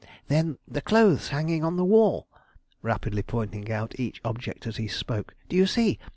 "Then the clothes hanging on the wall?" rapidly pointing out each object as he spoke. "Do you see?